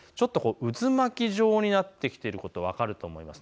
渦巻き状になってきていることが分かると思います。